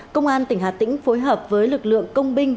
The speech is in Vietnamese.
công an tỉnh hà tĩnh phối hợp với lực lượng công binh